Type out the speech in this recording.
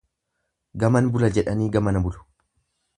Gaman bula jedhanii gamana bulu.